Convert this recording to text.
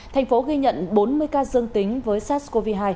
thành phố ghi nhận bốn mươi ca dương tính với sars cov hai